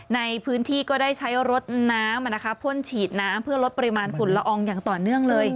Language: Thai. ในพื้นที่ก็ได้ใช้รถน้ำพ่นฉีดน้ำเพื่อลดปริมาณฝุ่นละอองอย่างต่อเนื่องเลย